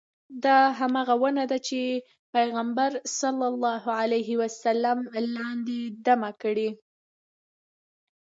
دا همغه ونه ده چې پیغمبر صلی الله علیه وسلم لاندې دمه کړې.